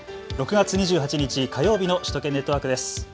６月２８日火曜日の首都圏ネットワークです。